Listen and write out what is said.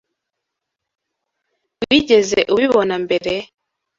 Wigeze ubibona mbere?